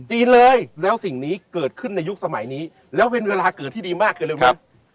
จีนเลยแล้วสิ่งนี้เกิดขึ้นในยุคสมัยนี้แล้วเป็นเวลาเกิดที่ดีมากคือเร็วไหม